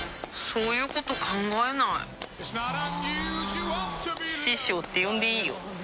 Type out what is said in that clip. そういうこと考えないあ師匠って呼んでいいよぷ